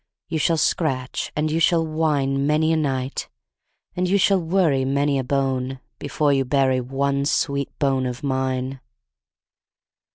You shall scratch and you shall whine Many a night, and you shall worry Many a bone, before you bury One sweet bone of mine!